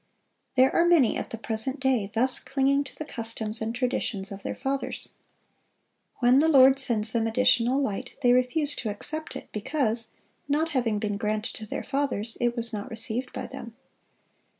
There are many at the present day thus clinging to the customs and traditions of their fathers. When the Lord sends them additional light, they refuse to accept it, because, not having been granted to their fathers, it was not received by them.